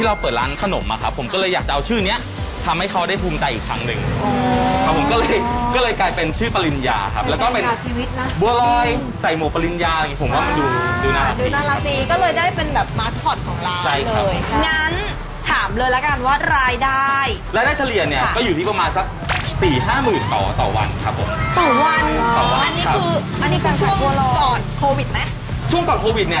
อ๋ออยากรู้ไหมเมนูไหนขายดีสุดอ๋ออยากรู้ไหมเมนูไหนขายดีสุดอ๋ออยากรู้ไหมเมนูไหนขายดีสุดอ๋ออยากรู้ไหมเมนูไหนขายดีสุดอ๋ออยากรู้ไหมเมนูไหนขายดีสุดอ๋ออยากรู้ไหมเมนูไหนขายดีสุดอ๋ออยากรู้ไหมเมนูไหนขายดีสุดอ๋ออยากรู้ไหมเมนูไหนขายดีสุดอ๋ออยากรู้ไหมเมนูไหนขายดีสุดอ๋ออย